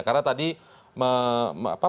karena tadi menurut pak